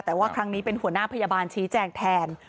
แต่ว่าครั้งนี้เป็นหัวหน้าพยาบาลชี้แจงแทน